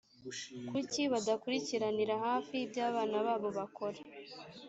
kuki badakurikiranira hafi ibyo abana babo bakora ‽